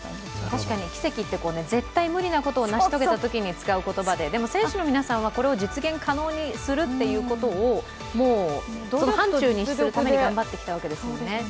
確かに、奇跡って絶対無理なことを成し遂げたときに使う言葉で、選手の皆さんは実現可能にするっていうことをもう範ちゅうにするために頑張ってきたわけですもんね。